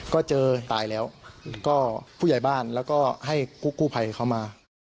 ก็เจอตายแล้วก็ผู้ใหญ่บ้านแล้วก็ให้กู้ภัยเขามา